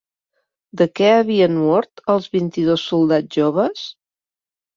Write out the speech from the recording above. De què havien mort els vint-i-dos soldats joves?